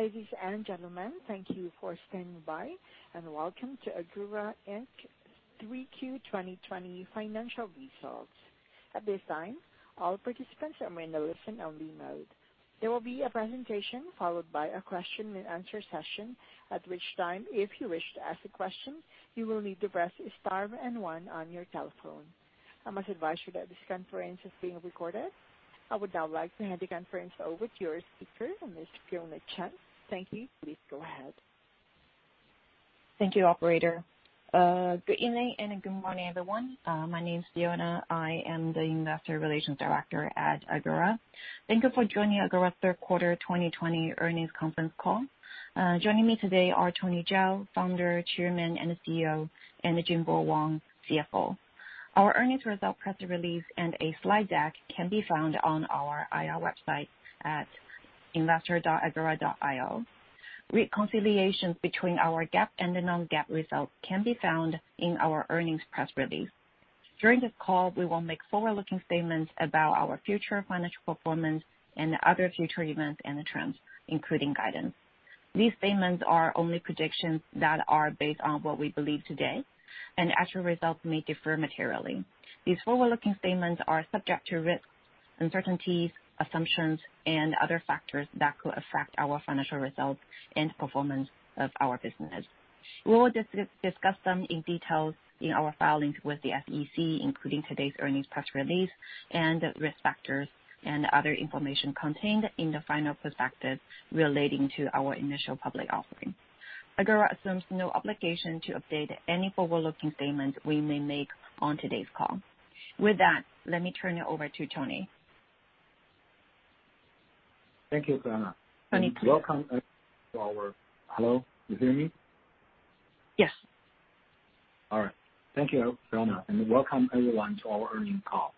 Ladies and gentlemen, thank you for standing by and welcome to Agora Inc.'s 3Q 2020 financial results. At this time, all participants are in only-listen mode. There will be a presentation followed by a question-and-answer session at which time if you wish to ask a question, you will need to press star and one on your telephone. I must advice you that this conference is being recorded. I would now like to hand the conference over to your speaker, Ms. Fionna Chen. Thank you. Please go ahead. Thank you, operator. Good evening and good morning, everyone. My name is Fionna. I am the Investor Relations Director at Agora. Thank you for joining Agora third quarter 2020 earnings conference call. Joining me today are Tony Zhao, Founder, Chairman, and CEO, and Jingbo Wang, CFO. Our earnings result press release and a slide deck can be found on our IR website at investor.agora.io. Reconciliation between our GAAP and the non-GAAP results can be found in our earnings press release. During this call, we will make forward-looking statements about our future financial performance and other future events and trends, including guidance. These statements are only predictions that are based on what we believe today, and actual results may differ materially. These forward-looking statements are subject to risks, uncertainties, assumptions, and other factors that could affect our financial results and performance of our business. We will discuss them in detail in our filings with the SEC, including today's earnings press release and risk factors and other information contained in the final prospectus relating to our initial public offering. Agora assumes no obligation to update any forward-looking statements we may make on today's call. With that, let me turn it over to Tony. Thank you, Fionna. Tony, please. Welcome, everyone, to our. Hello, you hear me? Yes. All right. Thank you, Fionna, and welcome everyone to our earnings call.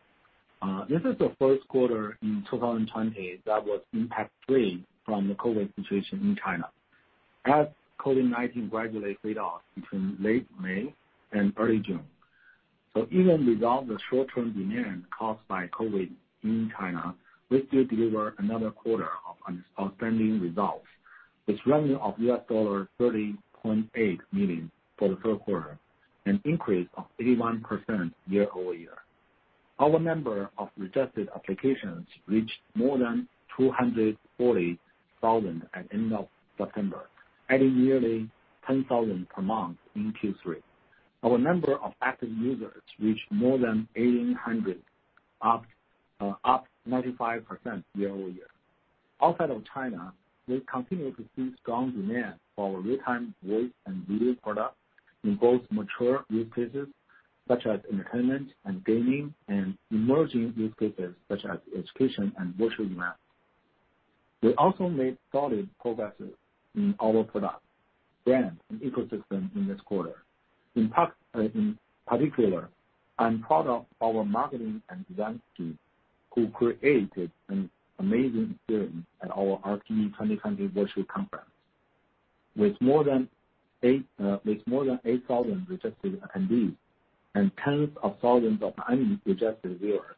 This is the first quarter in 2020 that was impact-free from the COVID situation in China as COVID-19 gradually faded off between late May and early June. Even without the short-term demand caused by COVID-19 in China, we still deliver another quarter of outstanding results with revenue of $30.8 million for the third quarter, an increase of 81% year-over-year. Our number of registered applications reached more than 240,000 at the end of September, adding nearly 10,000 per month in Q3. Our number of active users reached more than 1,800, up 95% year-over-year. Outside of China, we continue to see strong demand for our real-time voice and video product in both mature use cases such as entertainment and gaming, and emerging use cases such as education and virtual events. We also made solid progress in our product, brand, and ecosystem in this quarter. In particular, I'm proud of our marketing and design team, who created an amazing experience at our RTE2020 virtual conference. With more than 8,000 registered attendees and tens of thousands of unique registered viewers,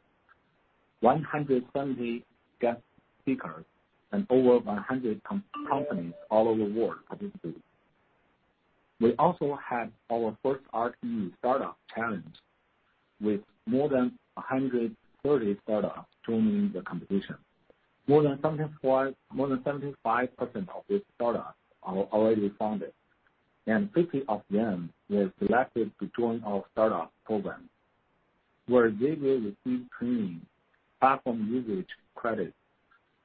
170 guest speakers, and over 100 companies all over the world participating. We also had our first RTE startup challenge with more than 130 startups joining the competition. More than 75% of these startups are already funded, and 50 of them were selected to join our startup program, where they will receive training, platform usage credit,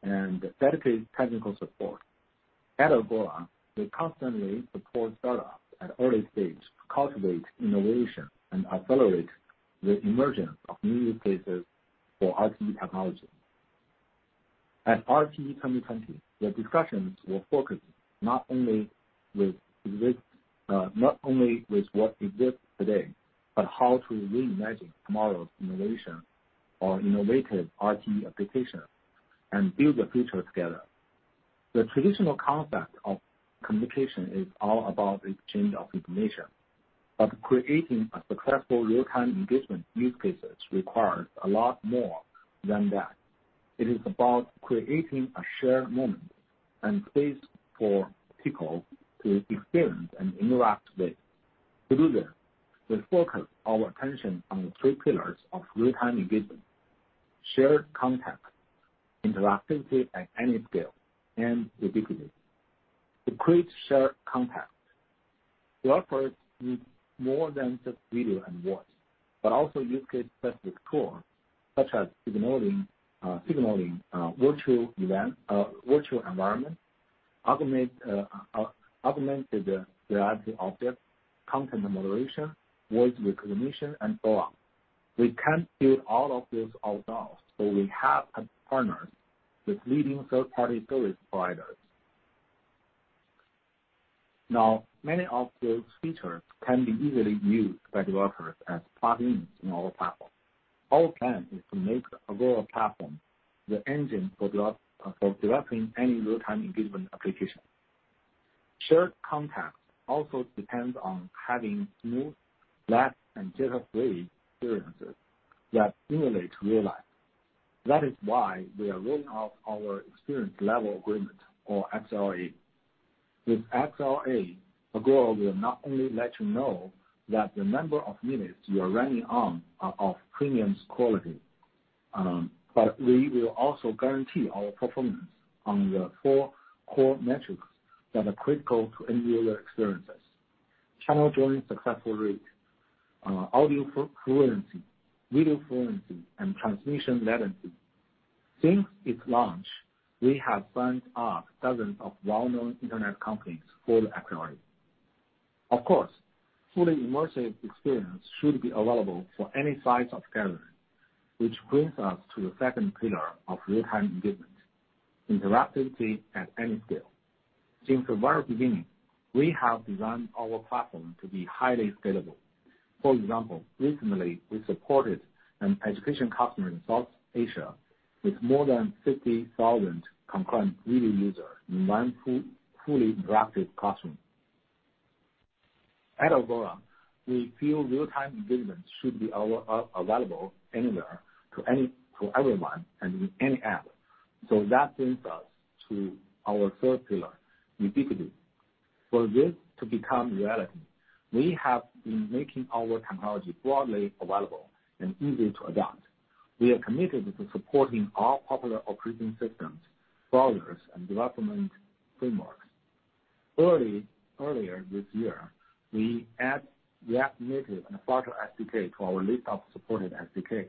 and dedicated technical support. At Agora, we constantly support startups at an early stage to cultivate innovation and accelerate the emergence of new use cases for RTE technology. At RTE2020, the discussions will focus not only with what exists today, but how to reimagine tomorrow's innovation or innovative RTE application and build the future together. The traditional concept of communication is all about exchange of information, creating a successful Real-Time Engagement use case requires a lot more than that. It is about creating a shared moment and space for people to experience and interact with. To do that, we focus our attention on the three pillars of Real-Time Engagement: shared context, interactivity at any scale, and ubiquity. To create shared context, we offer more than just video and voice, also use case-specific tools such as signaling virtual environment, augmented reality objects, content moderation, voice recognition, and so on. We can't build all of this ourselves, we have partnered with leading third-party service providers. Now, many of those features can be easily used by developers as plugins in our platform. Our plan is to make Agora platform the engine for developing any real-time engagement application. Shared context also depends on having smooth, lag and jitter-free experiences that simulate real life. That is why we are rolling out our experience level agreement or XLA. With XLA, Agora will not only let you know that the number of minutes you are running on are of premium quality, but we will also guarantee our performance on the four core metrics that are critical to end-user experiences. Channel join successful rate, audio fluency, video fluency, and transmission latency. Since its launch, we have signed up dozens of well-known internet companies for XLA. Of course, fully immersive experience should be available for any size of gathering, which brings us to the second pillar of real-time engagement, interactivity at any scale. Since the very beginning, we have designed our platform to be highly scalable. For example, recently we supported an education customer in South Asia with more than 50,000 concurrent video users in one fully interactive classroom. At Agora, we feel real-time engagement should be available anywhere to everyone and in any app. That brings us to our third pillar, ubiquity. For this to become reality, we have been making our technology broadly available and easy to adopt. We are committed to supporting all popular operating systems, browsers, and development frameworks. Earlier this year, we added React Native and Flutter SDK to our list of supported SDKs.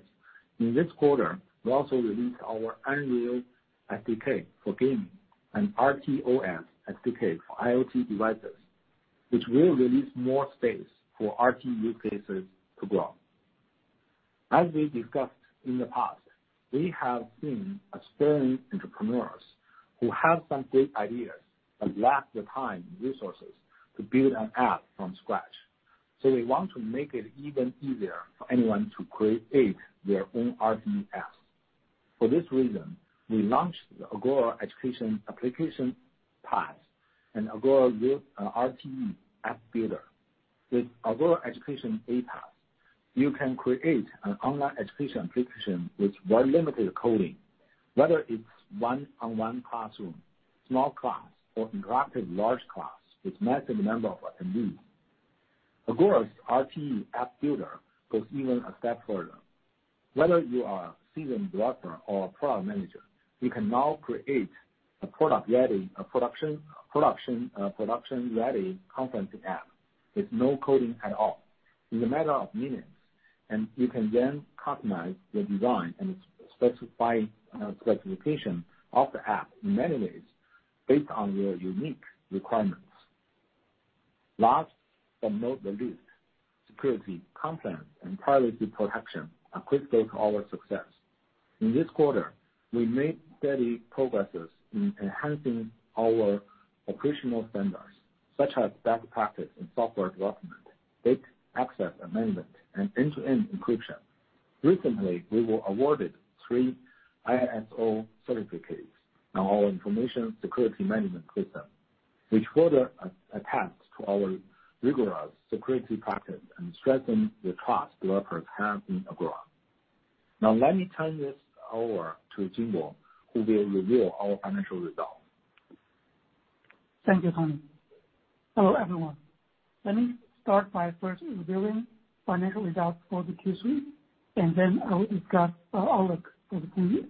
In this quarter, we also released our Unreal SDK for gaming and RTOS SDK for IoT devices, which will release more space for RTE cases to grow. As we discussed in the past, we have seen aspiring entrepreneurs who have some great ideas but lack the time and resources to build an app from scratch. We want to make it even easier for anyone to create their own RTE apps. For this reason, we launched the Agora Education Application PaaS and Agora RTE App Builder. With Agora Education aPaaS, you can create an online education application with very limited coding, whether it's one-on-one classroom, small class, or interactive large class with massive number of attendees. Agora's RTE App Builder goes even a step further. Whether you are a seasoned developer or a product manager, you can now create a production-ready conferencing app with no coding at all in a matter of minutes, and you can then customize the design and its specification of the app in many ways based on your unique requirements. Last but not the least, security compliance and privacy protection are critical to our success. In this quarter, we made steady progresses in enhancing our operational standards, such as best practice in software development, data access management, and end-to-end encryption. Recently, we were awarded three ISO certificates on our information security management system, which further attests to our rigorous security practice and strengthen the trust developers have in Agora. Now let me turn this over to Jingbo, who will reveal our financial results. Thank you, Tony. Hello, everyone. Let me start by first revealing financial results for the Q3, and then I will discuss our outlook for the full year.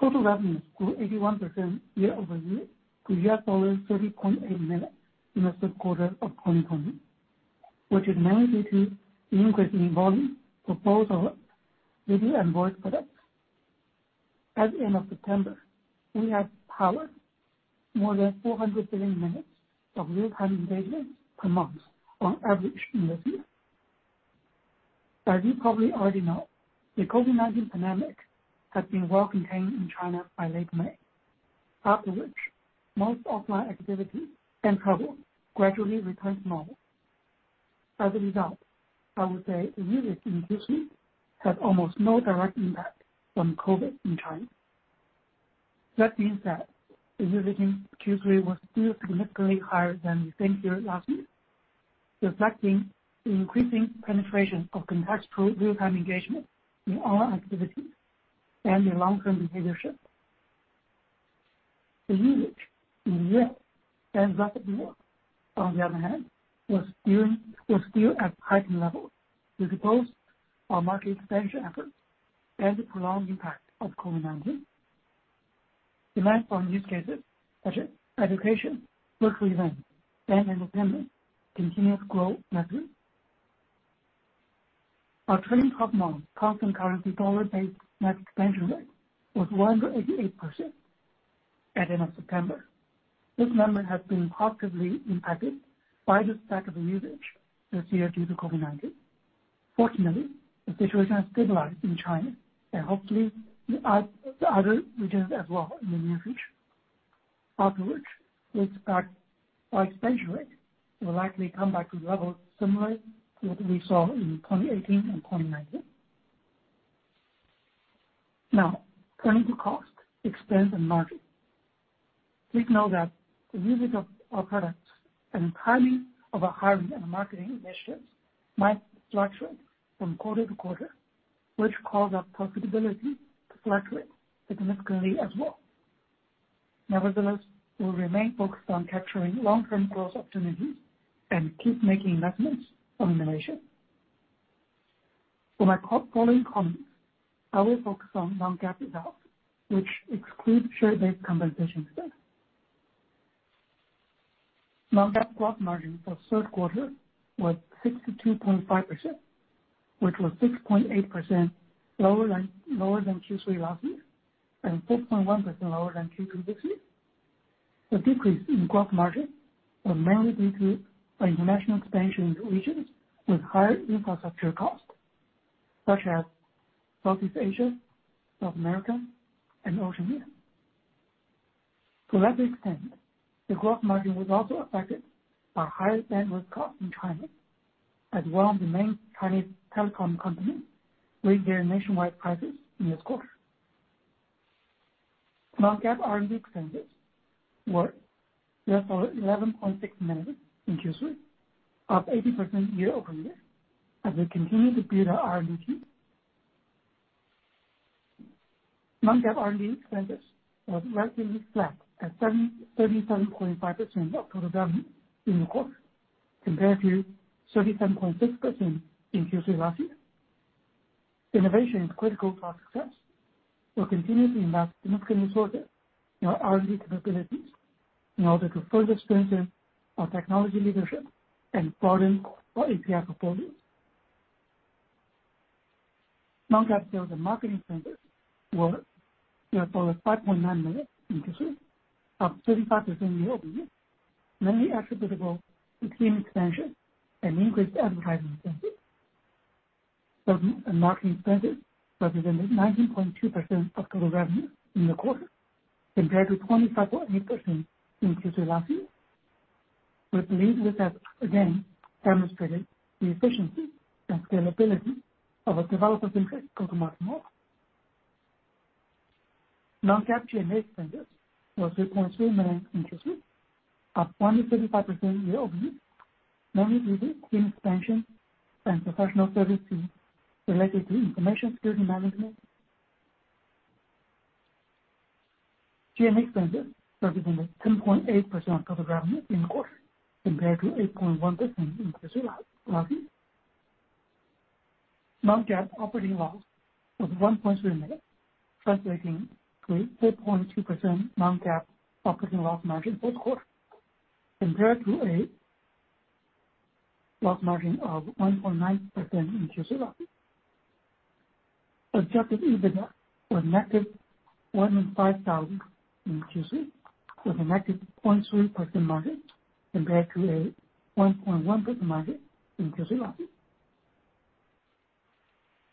Total revenues grew 81% year-over-year to $30.8 million in the third quarter of 2020, which is mainly due to the increasing volume for both our video and voice products. At the end of September, we had powered more than 400 billion minutes of Real-Time Engagement per month on average in this year. As you probably already know, the COVID-19 pandemic has been well contained in China by late May. After which, most offline activity and travel gradually returned to normal. As a result, I would say usage in Q3 had almost no direct impact from COVID in China. That means that the usage in Q3 was still significantly higher than the same period last year, reflecting the increasing penetration of contextual Real-Time Engagement in our activities and the long-term behavior shift. The usage in the U.S. and [rest of the world], on the other hand, was still at heightened levels due to both our market expansion efforts and the prolonged impact of COVID-19. Demand for use cases such as education, virtual event, and entertainment continued to grow monthly. Our trailing 12 months constant currency dollar-based net expansion rate was 188% at the end of September. This number has been positively impacted by the spike of the usage this year due to COVID-19. Fortunately, the situation has stabilized in China and hopefully the other regions as well in the near future. Afterwards, this expansion rate will likely come back to levels similar to what we saw in 2018 and 2019. Turning to cost, expense, and margin. Please note that the usage of our products and timing of our hiring and marketing initiatives might fluctuate from quarter to quarter, which cause our profitability to fluctuate significantly as well. We'll remain focused on capturing long-term growth opportunities and keep making investments on innovation. For my following comments, I will focus on non-GAAP results, which excludes share-based compensation expense. Non-GAAP gross margin for third quarter was 62.5%, which was 6.8% lower than Q3 last year and 6.1% lower than Q2 this year. The decrease in gross margin was mainly due to our international expansion into regions with higher infrastructure costs, such as Southeast Asia, North America, and Oceania. To that extent, the gross margin was also affected by higher bandwidth costs in China, as one of the main Chinese telecom companies raised their nationwide prices in this quarter. Non-GAAP R&D expenses were $11.6 million in Q3, up 18% year-over-year as we continue to build our R&D team. Non-GAAP R&D expenses was relatively flat at 37.5% of total revenue in the quarter compared to 37.6% in Q3 last year. Innovation is critical to our success. We'll continue to invest significant resources in our R&D capabilities in order to further strengthen our technology leadership and broaden our API portfolio. Non-GAAP sales and marketing expenses were $5.9 million in Q3, up 35% year-over-year, mainly attributable to team expansion and increased advertising expenses. Sales and marketing expenses represented 19.2% of total revenue in the quarter compared to 25.8% in Q3 last year. We believe we have again demonstrated the efficiency and scalability of our developer-centric go-to-market model. Non-GAAP G&A expenses were $3.3 million in Q3, up 135% year-over-year, mainly due to team expansion and professional service fees related to information security management. G&A expenses represented 10.8% of total revenue in the quarter compared to 8.1% in Q3 last year. Non-GAAP operating loss was $1.3 million, translating to 3.2% non-GAAP operating loss margin this quarter compared to a loss margin of 1.9% in Q3 last year. Adjusted EBITDA was -$105,000 in Q3 with a -0.3% margin compared to a 1.1% margin in Q3 last year.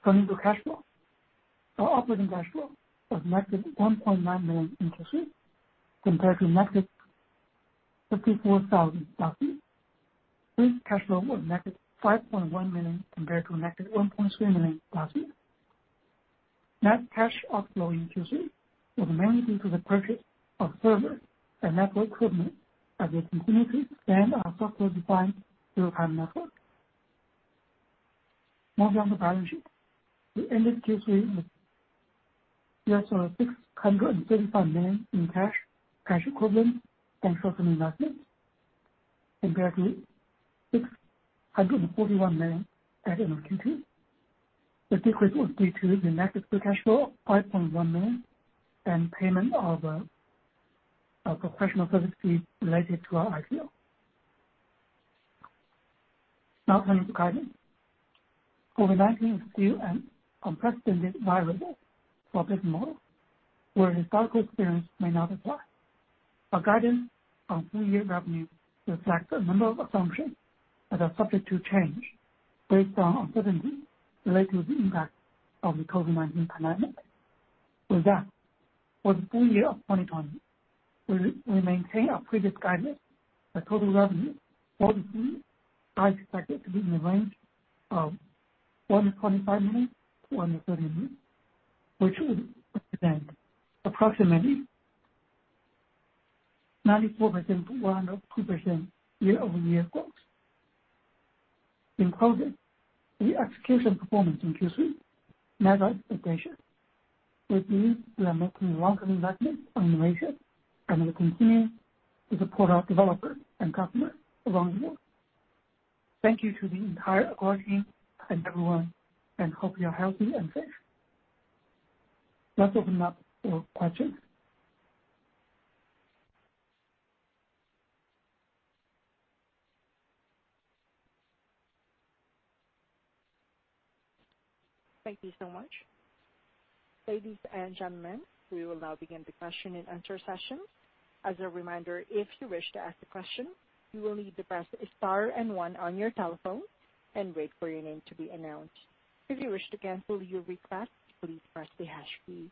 Turning to cash flow, our operating cash flow was -$1.9 million in Q3 compared to -$54,000 last year. Free cash flow was -$5.1 million compared to a -$1.3 million last year. Net cash outflow in Q3 was mainly due to the purchase of server and network equipment as we continue to expand our software-defined real-time network. Moving on to balance sheet. We ended Q3 with $675 million in cash equivalents, and short-term investments compared to $641 million at end of Q2. The decrease was due to the negative free cash flow, $5.1 million, and payment of professional service fees related to our IPO. Now turning to guidance. COVID-19 is still an unprecedented variable for our business model, where historical experience may not apply. Our guidance on full year revenue reflects a number of assumptions that are subject to change based on uncertainties related to the impact of the COVID-19 pandemic. With that, for the full year of 2020, we maintain our previous guidance for total revenue, where we see it expected to be in the range of $125 million-$130 million, which would represent approximately 94%-102% year-over-year growth. In closing, the execution performance in Q3 met our expectations. With this, we are making long-term investments on innovation and will continue to support our developers and customers around the world. Thank you to the entire Agora team and everyone, and hope you're healthy and safe. Let's open up for questions. Thank you so much. Ladies and gentlemen, we will now begin the question-and-answer session. As a reminder, if you wish to ask a question, you will need to press star and one on your telephone and wait for your name to be announced. If you wish to cancel your request, please press the hash key.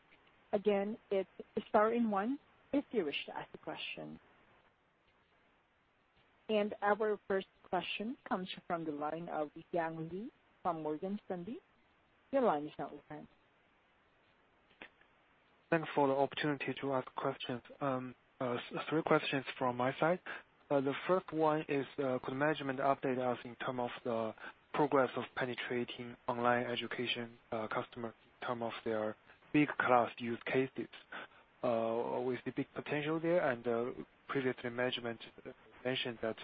Again, it's star and one if you wish to ask a question. Our first question comes from the line of Yang Liu from Morgan Stanley. Your line is now open. Thanks for the opportunity to ask questions. Three questions from my side. The first one is, could management update us in term of the progress of penetrating online education customer in term of their big class use cases? With the big potential there and previously management mentioned that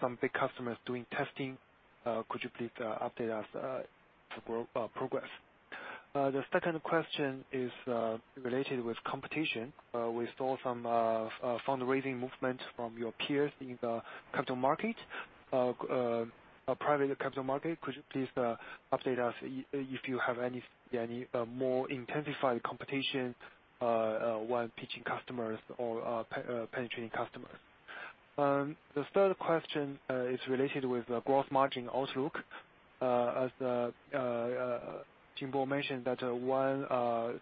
some big customers doing testing, could you please update us the progress? The second question is related with competition. We saw some fundraising movement from your peers in the capital market, private capital market. Could you please update us if you have any more intensified competition while pitching customers or penetrating customers? The third question is related with the gross margin outlook. As Jingbo mentioned that one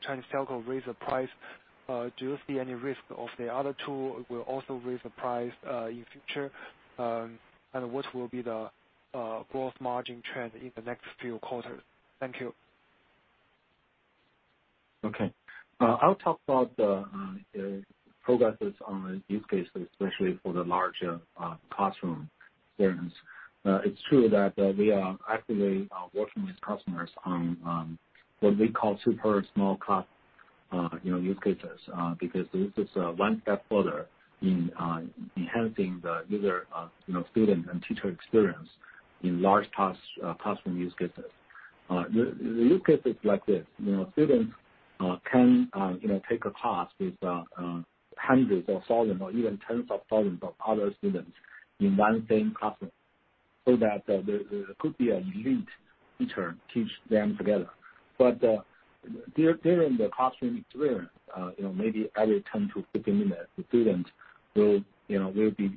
Chinese telco raised the price. Do you see any risk of the other two will also raise the price in future? What will be the gross margin trend in the next few quarters? Thank you. Okay. I'll talk about the progress on use cases, especially for the larger classroom experience. It's true that we are actively working with customers on what we call super small class use cases because this is one step further in enhancing the user, student, and teacher experience in large classroom use cases. The use case is like this. Students can take a class with hundreds or thousands or even tens of thousands of other students in one same classroom so that there could be a lead teacher teach them together. During the classroom experience maybe every 10-15 minutes, the students will be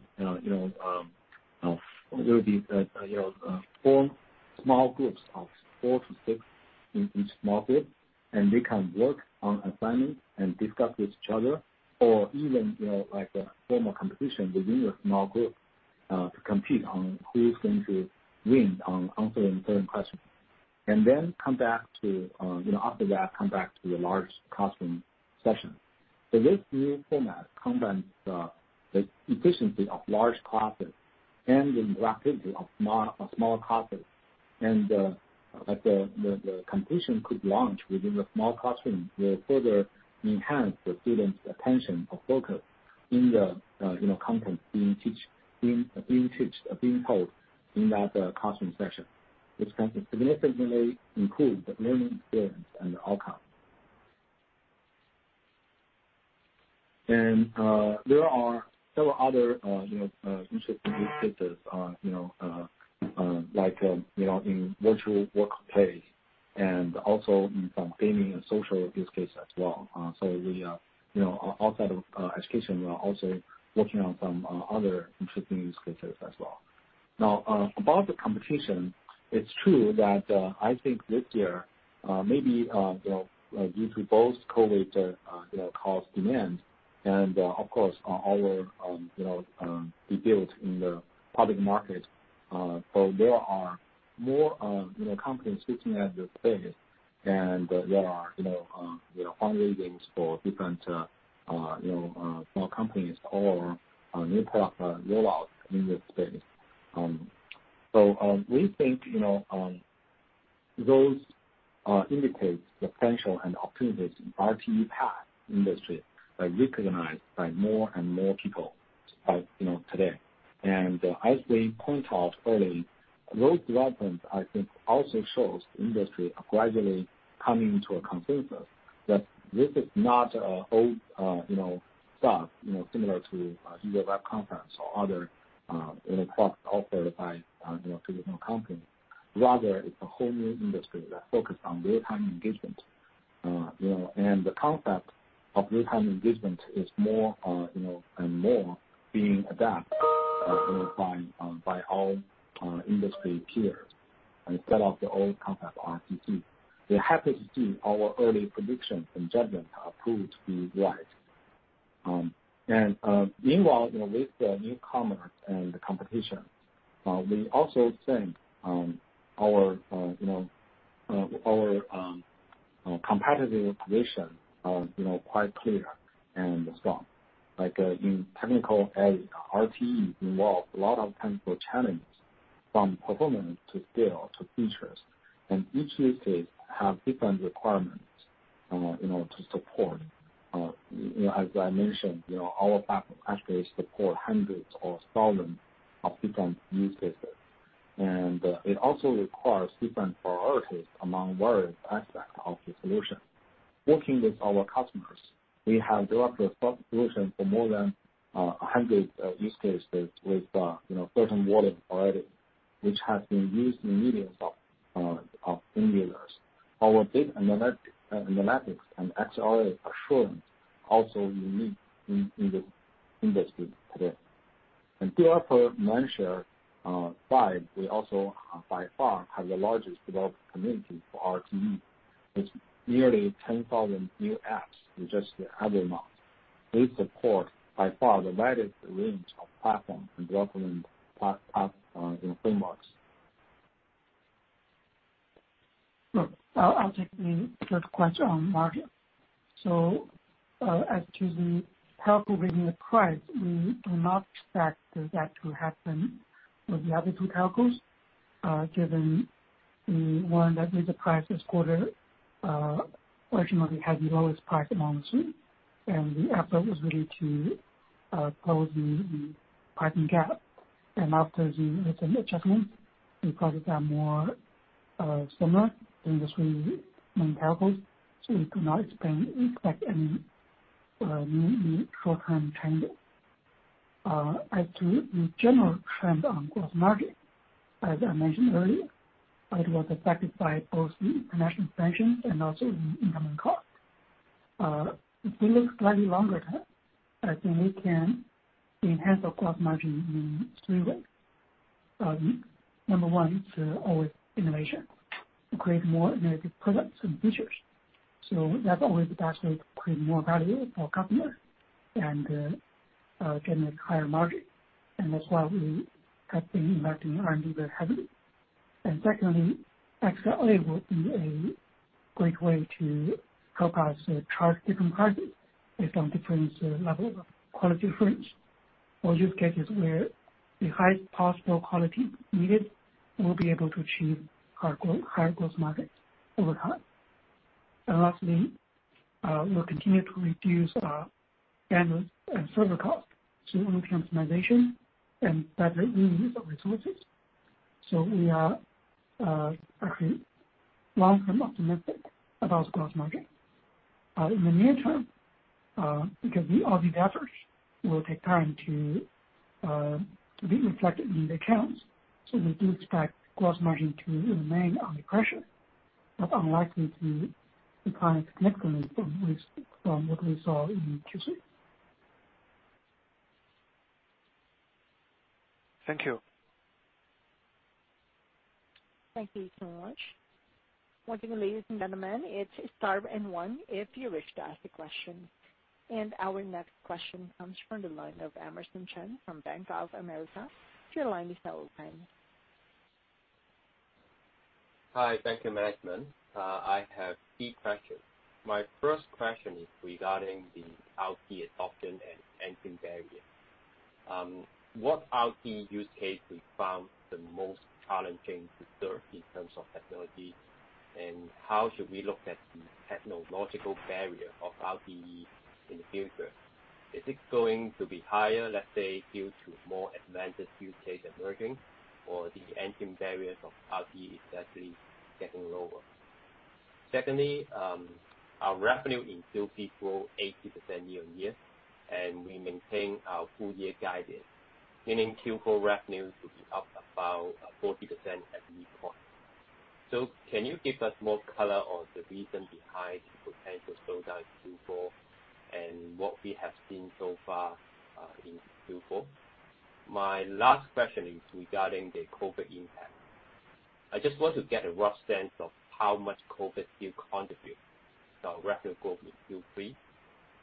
formed small groups of four to six in each small group, and they can work on assignment and discuss with each other or even like a formal competition within the small group to compete on who's going to win on answering certain questions. After that, come back to the large classroom session. This new format combines the efficiency of large classes and the interactivity of small classes. The competition could launch within the small classroom will further enhance the students' attention or focus in the content being taught in that classroom session, which can significantly improve the learning experience and the outcome. There are several other interesting use cases like in virtual workplace and also in some gaming and social use case as well. Outside of education, we are also working on some other interesting use cases as well. Now, about the competition, it's true that I think this year maybe due to both COVID-19 caused demand and of course our build in the public market. There are more companies looking at the space and there are fundraisings for different small companies or new product rollouts in this space. We think those indicates the potential and opportunities in RTE PaaS industry are recognized by more and more people today. As we point out early, those developments, I think, also shows the industry are gradually coming to a consensus that this is not old stuff similar to video web conference or other product offered by traditional company. Rather, it's a whole new industry that focus on real-time engagement. The concept of real-time engagement is more and more being adopted by all industry peers instead of the old concept, RTC. We're happy to see our early predictions and judgment have proved to be right. Meanwhile, with the newcomers and the competition, we also think our competitive position quite clear and strong. Like in technical edge, RTE involve a lot of technical challenges from performance to scale to features. Each use case have different requirements in order to support. As I mentioned, our platform actually support hundreds or thousands of different use cases. It also requires different priorities among various aspects of the solution. Working with our customers, we have developed a solution for more than 100 use cases with certain volume already, which has been used in millions of end users. Our data analytics and XLA assurance also unique in the industry today. PR for Mindshare side, we also by far have the largest developer community for RTE. It's nearly 10,000 new apps in just every month. We support by far the widest range of platforms and development frameworks. I'll take the third question on margin. As to the telcos in the price, we do not expect that to happen with the other two telcos, given the one that did the price this quarter unfortunately had the lowest price amongst them, and the effort was really to close the pricing gap. After the recent adjustments, the prices are more similar in these main telcos, we do not expect any short-term changes. As to the general trend on gross margin, as I mentioned earlier, it was affected by both the international expansion and also the incoming costs. If we look slightly longer term, I think we can enhance our gross margin in three ways. Number one is always innovation. To create more innovative products and features. That's always the pathway to create more value for customers and generate higher margin. That's why we have been investing R&D very heavily. Secondly, XLA would be a great way to help us charge different prices based on different level of quality difference or use cases where the highest possible quality needed, we'll be able to achieve higher gross margins over time. Lastly, we'll continue to reduce bandwidth and server costs through optimization and better reuse of resources. We are actually long-term optimistic about gross margin. In the near term, because all these efforts will take time to be reflected in the accounts, so we do expect gross margin to remain under pressure, but unlikely to decline significantly from what we saw in Q2. Thank you. Thank you so much. Once again, ladies and gentlemen, it's star and one if you wish to ask a question. Our next question comes from the line of Emerson Chan from Bank of America. Your line is now open. Hi. Thank you, management. I have three questions. My first question is regarding the RTE adoption and entry barrier. What RTE use case we found the most challenging to serve in terms of technology, and how should we look at the technological barrier of RTE in the future? Is it going to be higher, let's say, due to more advanced use case emerging or the entry barriers of RTE is actually getting lower? Secondly, our revenue in Q3 grow 80% year-over-year, and we maintain our full year guidance, meaning Q4 revenue to be up about 40% at least. Can you give us more color on the reason behind the potential slowdown in Q4 and what we have seen so far in Q4? My last question is regarding the COVID-19 impact. I just want to get a rough sense of how much COVID still contributes to our revenue growth in Q3.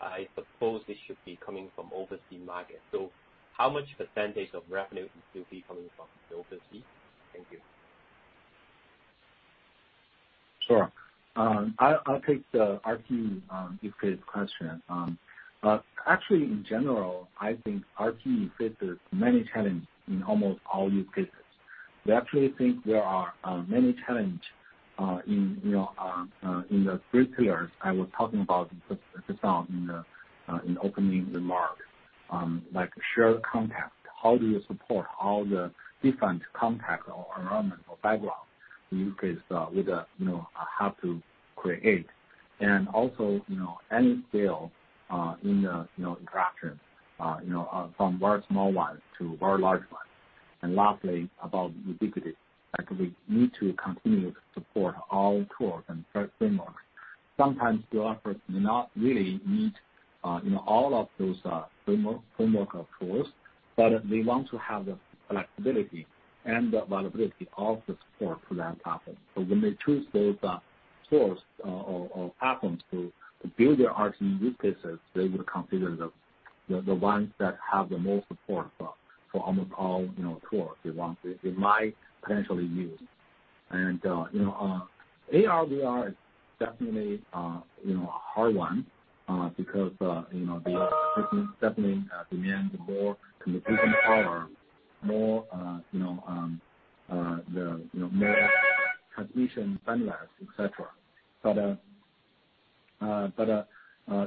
I suppose it should be coming from overseas market. How much percentage of revenue will still be coming from overseas? Thank you. Sure. I'll take the RTE use case question. Actually, in general, I think RTE faces many challenges in almost all use cases. We actually think there are many challenges in the three pillars I was talking about just now in opening remarks, like shared context. How do you support all the different context or environment or background use case with how to create? Also, any scale in the interaction, from very small ones to very large ones. Lastly, about ubiquity. Like we need to continue to support all tools and frameworks. Sometimes developers do not really need all of those framework of tools, but they want to have the flexibility and the availability of the support for that platform. When they choose those tools or platforms to build their RTE use cases, they would consider the ones that have the most support for almost all tools they want, they might potentially use. AR/VR is definitely a hard one, because they definitely demand more computational power, more transmission bandwidth, et cetera.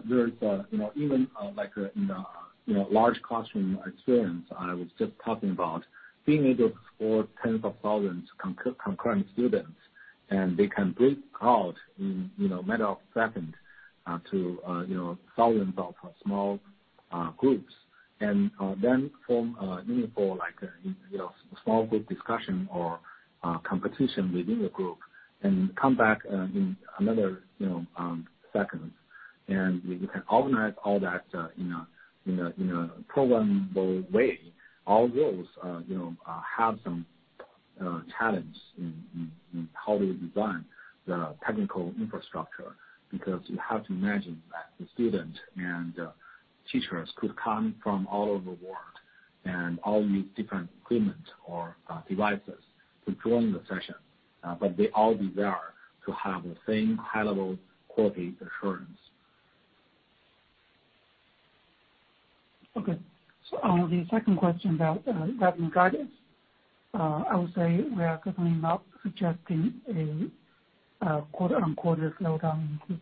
There is, even like in the large classroom experience I was just talking about, we need to support tens of thousands concurrent students, and they can break out in matter of seconds to thousands of small groups and then form meaningful small group discussion or competition within the group and come back in another second. You can organize all that in a programmable way. All those have some challenges in how we design the technical infrastructure, because you have to imagine that the student and teachers could come from all over the world, and all use different equipment or devices to join the session. They all deserve to have the same high-level quality assurance. Okay. On the second question about revenue guidance, I would say we are certainly not suggesting a quarter-on-quarter slowdown in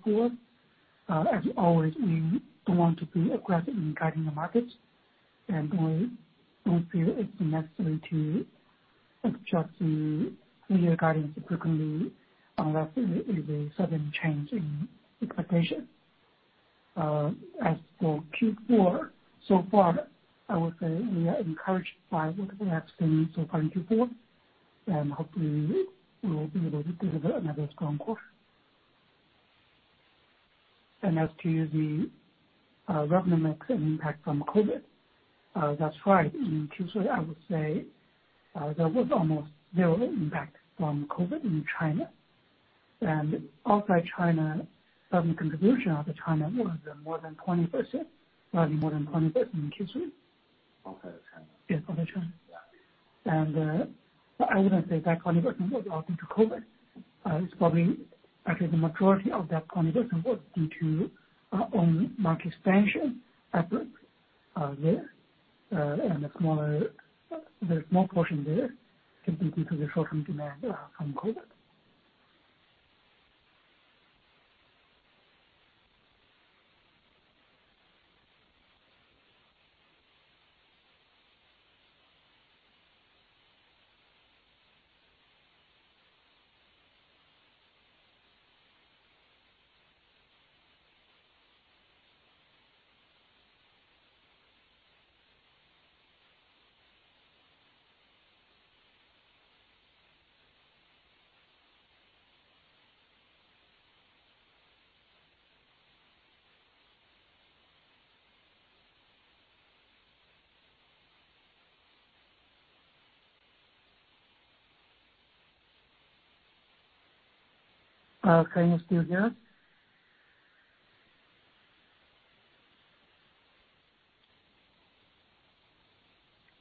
Q4. As always, we don't want to be aggressive in guiding the market, and we don't feel it's necessary to adjust the year guidance frequently unless there is a sudden change in expectations. As for Q4, so far, I would say we are encouraged by what we have seen so far in Q4, and hopefully we will be able to deliver another strong quarter. As to the revenue mix and impact from COVID. That's right. In Q3, I would say there was almost zero impact from COVID in China. Outside China, revenue contribution at the time was more than 20%, probably more than 20% in Q3. Outside of China? Yes, outside of China. Yeah. I wouldn't say that conversion was all due to COVID. Actually, the majority of that conversion was due to our own market expansion efforts there. There's more portion there simply due to the short-term demand from COVID. Can you still hear us?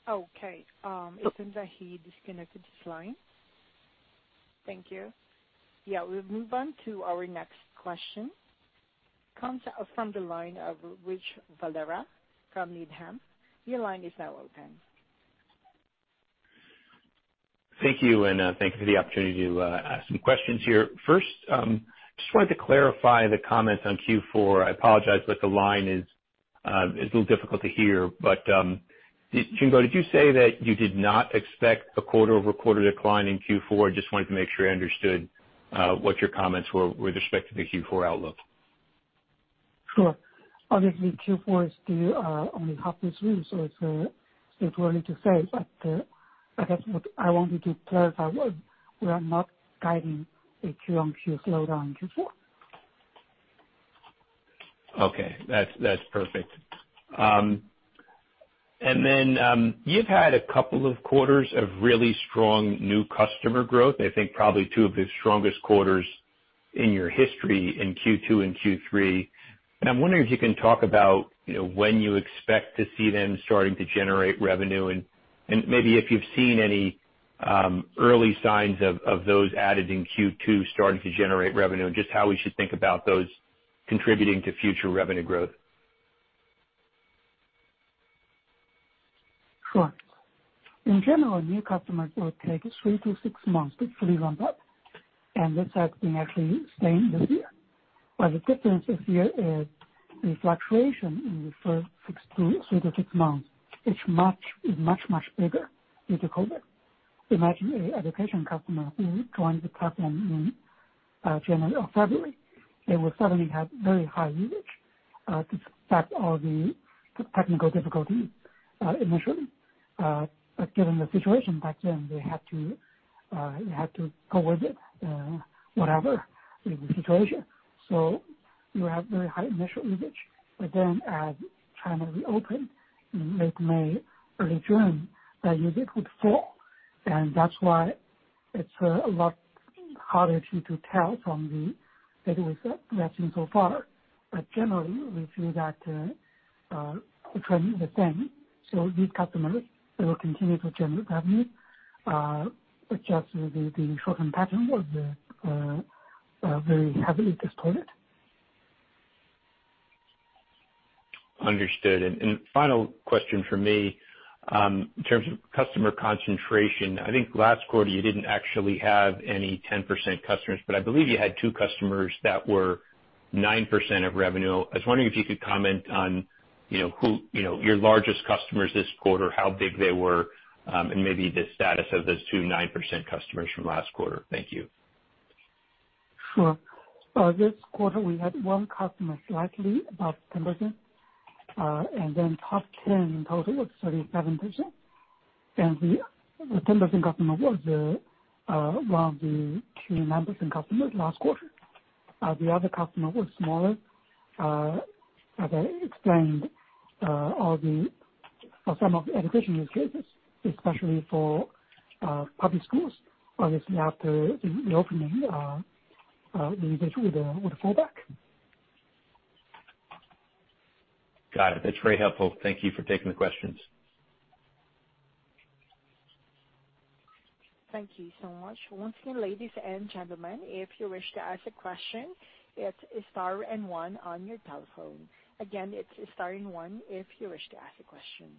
Okay. It seems that he disconnected his line. Thank you. Yeah, we'll move on to our next question. Comes from the line of Rich Valera from Needham. Your line is now open. Thank you, and thank you for the opportunity to ask some questions here. First, just wanted to clarify the comments on Q4. I apologize, but the line is a little difficult to hear. Jingbo, did you say that you did not expect a quarter-over-quarter decline in Q4? I just wanted to make sure I understood what your comments were with respect to the Q4 outlook. Sure. Obviously, Q4 is still only halfway through. It's still too early to say. I guess what I wanted to clarify, we are not guiding a QoQ slowdown in Q4. Okay. That's perfect. You've had a couple of quarters of really strong new customer growth. I think probably two of the strongest quarters in your history in Q2 and Q3. I'm wondering if you can talk about when you expect to see them starting to generate revenue and, maybe if you've seen any early signs of those added in Q2 starting to generate revenue, and just how we should think about those contributing to future revenue growth. Sure. In general, new customers will take three to six months to fully ramp up. This has been actually same this year. The difference this year is the fluctuation in the first three to six months is much, much bigger due to COVID. Imagine an education customer who joins the platform in January or February, they will suddenly have very high usage despite all the technical difficulty initially. Given the situation back then, they had to go with it whatever the situation. You have very high initial usage. Then as China reopened in mid-May, early June, the usage would fall. That's why it's a lot harder to tell from the data we've seen so far. Generally, we feel that the trend is the same. These customers will continue to generate revenue, but just the short-term pattern was very heavily distorted. Understood. Final question from me, in terms of customer concentration, I think last quarter you didn't actually have any 10% customers, but I believe you had two customers that were 9% of revenue. I was wondering if you could comment on your largest customers this quarter, how big they were, and maybe the status of those two 9% customers from last quarter. Thank you. Sure. This quarter, we had one customer slightly above 10%, top 10 in total was 37%. The 10% customer was one of the two 9% customers last quarter. The other customer was smaller. As I explained, for some of the education use cases, especially for public schools, obviously after the reopening, the usage would fall back. Got it. That's very helpful. Thank you for taking the questions. Thank you so much. Once again, ladies and gentlemen, if you wish to ask a question, it's star and one on your telephone. Again, it's star and one if you wish to ask a question.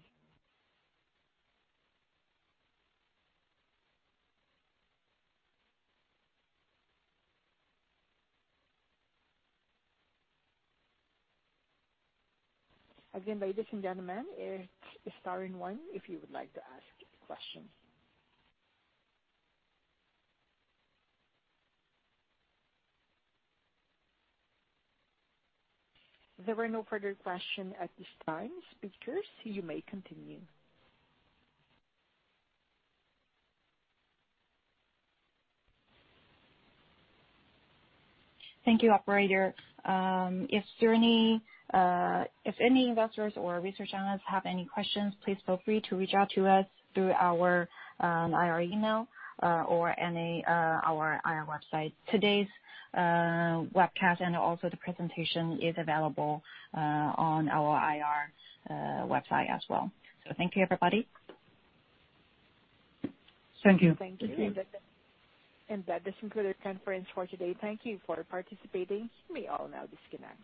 Again, ladies and gentlemen, it's star and one if you would like to ask a question. There are no further questions at this time. Speakers, you may continue. Thank you, operator. If any investors or research analysts have any questions, please feel free to reach out to us through our IR email or our IR website. Today's webcast, and also the presentation, is available on our IR website as well. Thank you, everybody. Thank you. Thank you. Thank you. That does conclude the conference for today. Thank you for participating. You may all now disconnect.